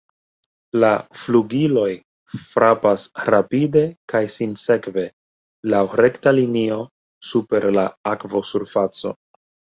La flugiloj frapas rapide kaj sinsekve laŭ rekta linio super la akvosurfaco.